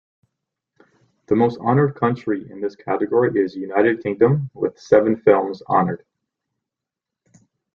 The most honored country in this category is United Kingdom, with seven films honored.